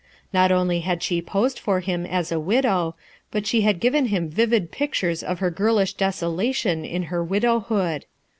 Not only had she posed for him as a widow, but she had giveu him vivid pictures of her girl ish desolation in her widowhood.